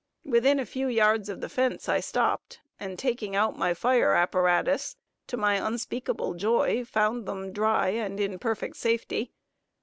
Within a few yards of this fence I stopped, and taking out my fire apparatus, to my unspeakable joy found them dry and in perfect safety.